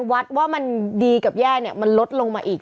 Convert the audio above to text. วัดว่ามันดีกับแย่เนี่ยมันลดลงมาอีก